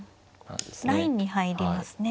ラインに入りますね。